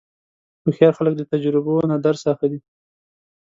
هوښیار خلک د تجربو نه درس اخلي.